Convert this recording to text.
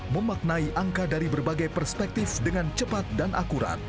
memaknai angka dari berbagai perspektif dengan cepat dan akurat